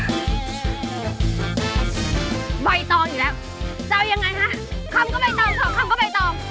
คำก็ใบตองของคำก็ใบตอง